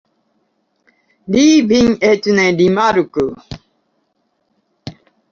Li vin eĉ ne rimarku.